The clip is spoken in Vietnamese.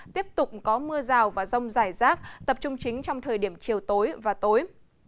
tiếp tục có mưa rào và rông rải rác tập trung chính trong thời điểm chiều tối và tối